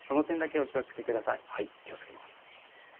はい気を付けます。